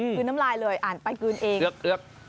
กลืนน้ำลายเลยอ่านไปกลืนเอง